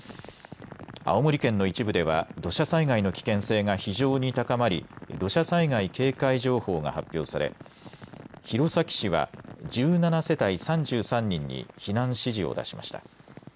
青森県の一部では土砂災害の危険性が非常に高まり土砂災害警戒情報が発表され、弘前市は１７世帯３３人に避難指示を出しました。